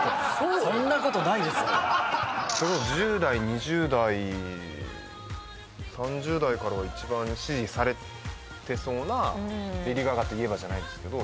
それこそ１０代２０代３０代からは一番支持されてそうなレディー・ガガといえばじゃないけど。